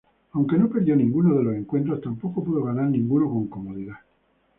Aunque no perdió ninguno de los encuentros, tampoco pudo ganar ninguno con comodidad.